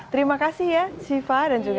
terima kasih ya shiva dan juga velda juga